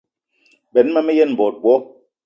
Benn ma me yen bot bo.